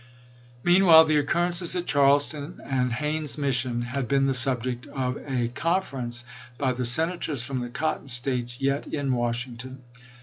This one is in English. Meanwhile the occurrences at Charleston and Hay ne's mission had been the subject of a confer ence by the Senators from the Cotton States yet in Washington.